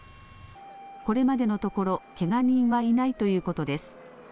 これまでのところけが人はいないということです。